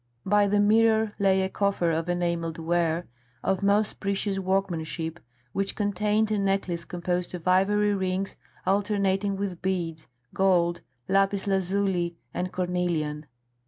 By the mirror lay a coffer of enamelled ware, of most precious workmanship, which contained a necklace composed of ivory rings alternating with beads, gold, lapis lazuli, and cornelian.